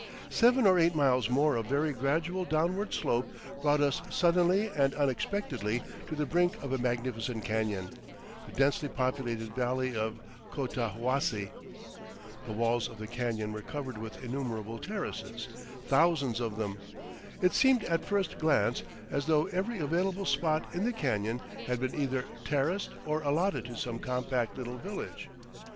Seven or eight miles more of very gradual downward slope brought us suddenly and unexpectedly to the brink of a magnificent canyon, the densely populated valley of Cotahuasi. The walls of the canyon were covered with innumerable terraces thousands of them. It seemed at first glance as though every available spot in the canyon had been either terraced or allotted to some compact little village.